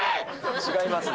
違いますね。